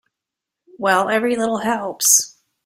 Well, every little helps.